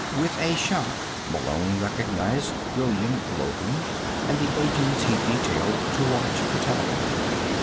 With a shock, Malone recognized William Logan and the agents he'd detailed to watch the telepath.